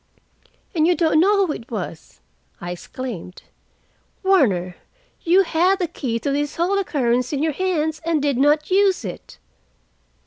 "And you don't know who it was!" I exclaimed. "Warner, you had the key to this whole occurrence in your hands, and did not use it!"